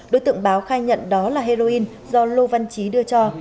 đối tượng báo khai nhận đó là heroin do lô văn chí đưa cho